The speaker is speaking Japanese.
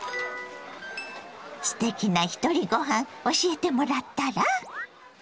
すてきなひとりごはん教えてもらったら？